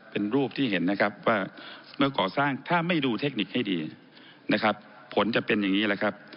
เป็นรูปที่เห็นนะครับว่าเมื่อก่อสร้างถ้าไม่ดูเทคนิคให้ดีนะครับผลจะเป็นอย่างนี้แหละครับ